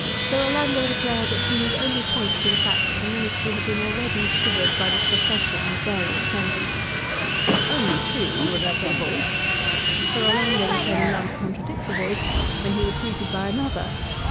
Sir Orlando declared that he need only point to the fact that the Ministry had been already shivered by the secession of various gentlemen. "Only two," said a voice. Sir Orlando was turning round to contradict the voice when he was greeted by another.